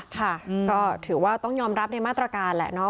ค่ะก็ถือว่าต้องยอมรับในมาตรการแหละเนาะ